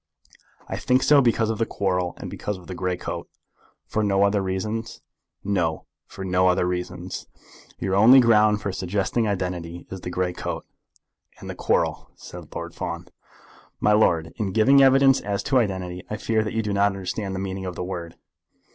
"I think so because of the quarrel, and because of the grey coat." "For no other reasons?" "No; for no other reasons." "Your only ground for suggesting identity is the grey coat?" "And the quarrel," said Lord Fawn. "My lord, in giving evidence as to identity, I fear that you do not understand the meaning of the word."